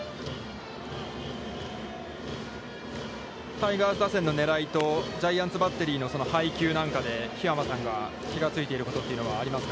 タイガース打線の狙いと、ジャイアンツバッテリーの配球なんかで桧山さんが気づいているということはありますか。